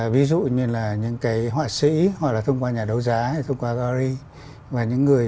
ví dụ như là những cái họa sĩ hoặc là thông qua nhà đấu giá hay thông qua gallery và những người